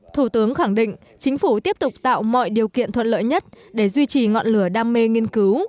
thủ tướng khẳng định chính phủ tiếp tục tạo mọi điều kiện thuận lợi nhất để duy trì ngọn lửa đam mê nghiên cứu